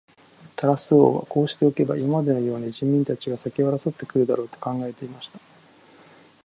タラス王はこうしておけば、今までのように人民たちが先を争って来るだろう、と考えていました。